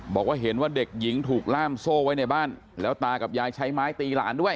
บอกว่าเห็นว่าเด็กหญิงถูกล่ามโซ่ไว้ในบ้านแล้วตากับยายใช้ไม้ตีหลานด้วย